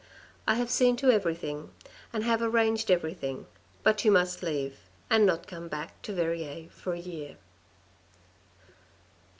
I have seen to everything and have arranged everything, but you must leave, and not come back to Verrieres for a year."